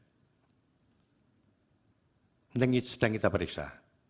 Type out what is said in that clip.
ini sedang kita periksa